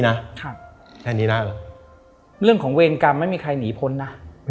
ในกรรมมัน